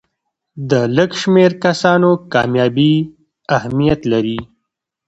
د لږ شمېر کسانو کامیابي اهمیت لري.